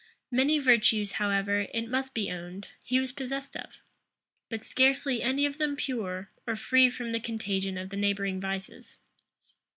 Many virtues, however, it must be owned, he was possessed of, but scarce any of them pure, or free from the contagion of the neighboring vices.